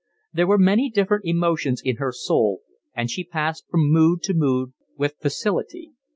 There were many different emotions in her soul, and she passed from mood to mood with facility.